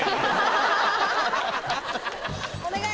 お願い！